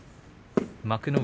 幕内